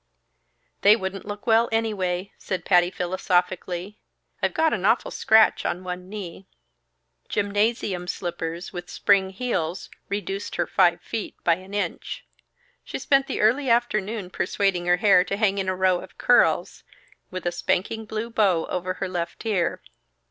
"They wouldn't look well anyway," said Patty, philosophically, "I've got an awful scratch on one knee." Gymnasium slippers with spring heels reduced her five feet by an inch. She spent the early afternoon persuading her hair to hang in a row of curls, with a spanking blue bow over her left ear.